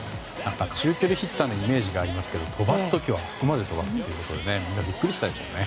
中距離ヒッターのイメージがありますが飛ばす時はあそこまで飛ばすということでみんなビックリしたでしょうね。